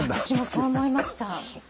私もそう思いました。